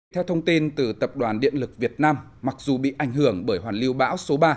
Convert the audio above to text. theo thông tin từ tập đoàn điện lực việt nam mặc dù bị ảnh hưởng bởi hoàn lưu bão số ba